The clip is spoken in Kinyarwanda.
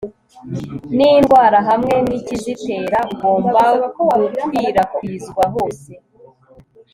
nindwara hamwe nikizitera ugomba gukwirakwizwa hose